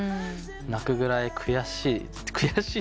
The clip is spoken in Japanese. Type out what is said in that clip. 泣くぐらい悔しい。